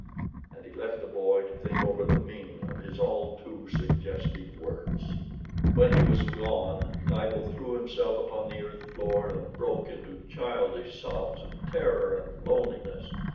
And he left the boy to think over the meaning of his all too suggestive words. When he was gone, Tibo threw himself upon the earth floor and broke into childish sobs of terror and loneliness.